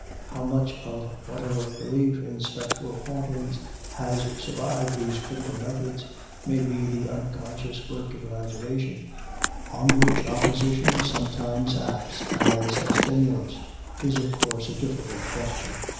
How much of whatever belief in spectral hauntings has survived these critical methods may be the unconscious work of imagination, on which opposition sometimes acts as a stimulus, is of course a different question.